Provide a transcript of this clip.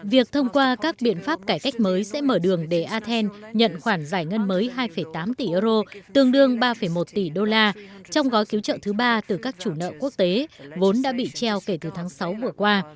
việc thông qua các biện pháp cải cách mới sẽ mở đường để athens nhận khoản giải ngân mới hai tám tỷ euro tương đương ba một tỷ đô la trong gói cứu trợ thứ ba từ các chủ nợ quốc tế vốn đã bị treo kể từ tháng sáu vừa qua